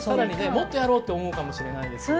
もっとやろうって思うかもしれないですよね。